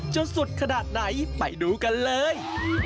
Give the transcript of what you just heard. สุดขนาดไหนไปดูกันเลย